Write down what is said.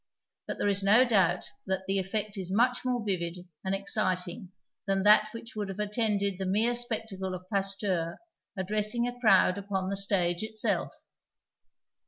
But there is no doubt that the effect is much more vivid and exciting than that which would have attended the mere spectacle of Pasteur addressing a crowd upon the stage itself.